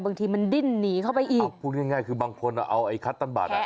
บางทีมันดิ้นหนีเข้าไปอีกพูดง่ายง่ายคือบางคนอ่ะเอาไอ้คัตตันบัตรอ่ะ